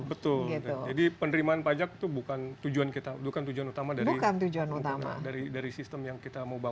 betul jadi penerimaan pajak itu bukan tujuan utama dari sistem yang kita mau bangun ini